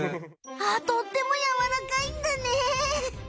あとってもやわらかいんだね。